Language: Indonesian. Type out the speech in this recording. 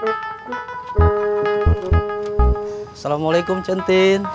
masih ada yang mau beri duit